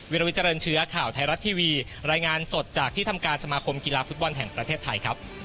ลวิเจริญเชื้อข่าวไทยรัฐทีวีรายงานสดจากที่ทำการสมาคมกีฬาฟุตบอลแห่งประเทศไทยครับ